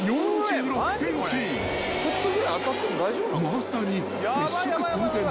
［まさに接触寸前］